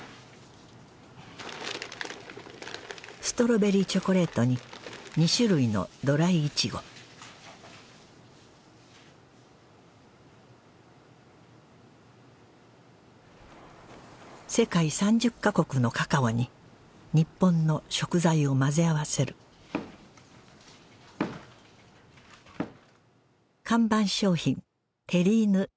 ストロベリーチョコレートに２種類のドライイチゴ世界３０か国のカカオに日本の食材を混ぜ合わせる看板商品テリーヌ